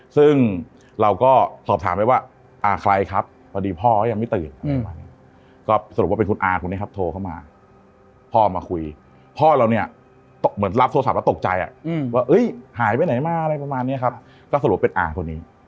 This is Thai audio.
ซึ่งเราก็สอบถามไปว่าใครครับพอดีพ่อก็ยังไม่ตื่นประมาณนี้ก็สรุปว่าเป็นคุณอาคนนี้ครับโทรเข้ามาพ่อมาคุยพ่อเราเนี่ยเหมือนรับโทรศัพท์แล้วตกใจว่าหายไปไหนมาอะไรประมาณนี้ครับก็สรุปเป็นอาคนนี้